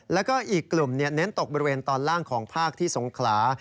แล้วก็อีกกลุ่มเน้นตกบริเวณตอนล่างของภาคที่สงขลา